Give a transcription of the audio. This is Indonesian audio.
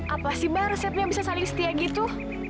apa sih mbak resepnya bisa saling setia gitu